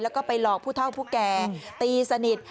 แล้วก็ไปหลอกผู้เท่าผู้แก่ตีสนิท